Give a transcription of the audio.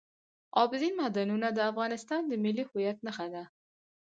اوبزین معدنونه د افغانستان د ملي هویت نښه ده.